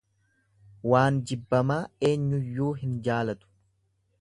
Waan jibbamaa eenyuyyuu hin jaalatu.